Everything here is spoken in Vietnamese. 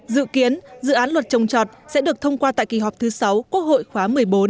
dự kiến dự án luật trồng trọt sẽ được thông qua tại kỳ họp thứ sáu quốc hội khóa một mươi bốn